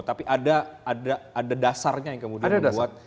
tapi ada dasarnya yang kemudian membuat